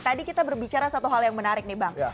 tadi kita berbicara satu hal yang menarik nih bang